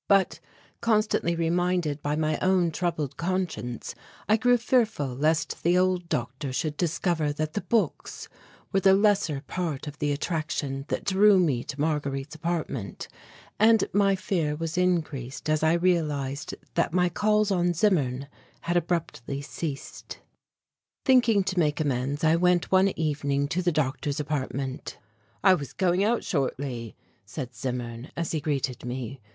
But, constantly reminded by my own troubled conscience, I grew fearful lest the old doctor should discover that the books were the lesser part of the attraction that drew me to Marguerite's apartment, and my fear was increased as I realized that my calls on Zimmern had abruptly ceased. Thinking to make amends I went one evening to the doctor's apartment. "I was going out shortly," said Zimmern, as he greeted me.